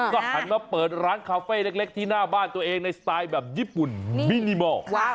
ก็หันมาเปิดร้านคาเฟ่เล็กที่หน้าบ้านตัวเองในสไตล์แบบญี่ปุ่นมินิมอร์